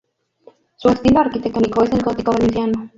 Su estilo arquitectónico es el gótico valenciano.